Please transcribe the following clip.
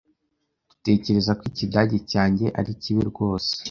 Dutekereza ko Ikidage cyanjye ari kibi rwose.